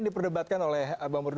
terima kasih lord